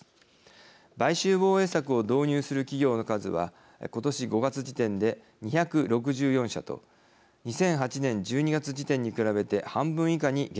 買収防衛策を導入する企業の数は今年５月時点で２６４社と２００８年１２月時点に比べて半分以下に減少しています。